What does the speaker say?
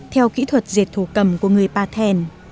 theo kỹ thuật dệt thổ cầm của người pa thèn